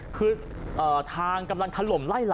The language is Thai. คือทางกำลังขับรถผ่านพอดีนะครับ